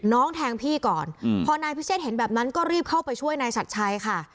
แทงพี่ก่อนพอนายพิเชษเห็นแบบนั้นก็รีบเข้าไปช่วยนายชัดชัยค่ะ